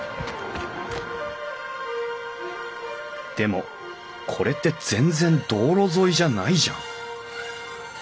でもこれって全然道路沿いじゃないじゃん。